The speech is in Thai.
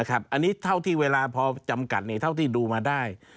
อันนี้เท่าที่เวลาพอจำกัดเท่าที่ดูมาได้